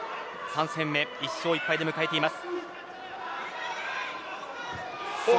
３戦目は１勝１敗で迎えています。